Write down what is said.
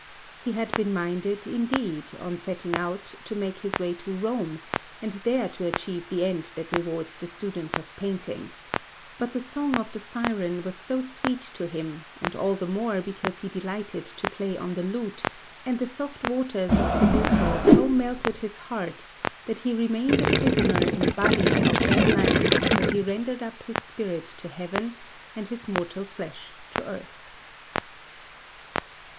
He had been minded, indeed, on setting out, to make his way to Rome, and there to achieve the end that rewards the student of painting; but the song of the Siren was so sweet to him, and all the more because he delighted to play on the lute, and the soft waters of Sebeto so melted his heart, that he remained a prisoner in body of that land until he rendered up his spirit to Heaven and his mortal flesh to earth.